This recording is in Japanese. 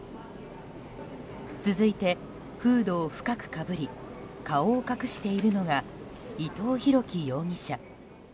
続いて、フードを深くかぶり顔を隠しているのが伊藤宏樹容疑者。